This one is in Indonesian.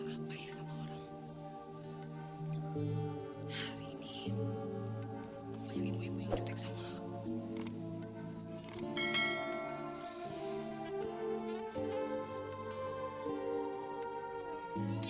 gak banyak ibu ibu yang jutek sama aku